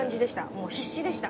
もう必死でした。